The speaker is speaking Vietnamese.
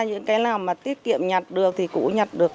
những cái nào mà tiết kiệm nhặt được thì cụ nhặt được